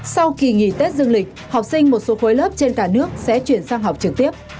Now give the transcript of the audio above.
sau kỳ nghỉ tết dương lịch học sinh một số khối lớp trên cả nước sẽ chuyển sang học trực tiếp